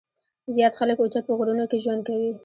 زيات خلک اوچت پۀ غرونو کښې ژوند کوي ـ